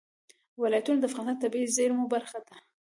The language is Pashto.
ولایتونه د افغانستان د طبیعي زیرمو برخه ده.